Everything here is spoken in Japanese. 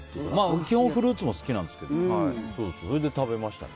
基本フルーツも好きなんですけど食べましたね。